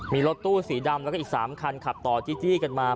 มีรถตู้สีดำแล้วก็อีก๓คันขับต่อจี้กันมา